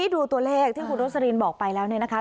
ดูตัวเลขที่ทุกคนบอกไปแล้ว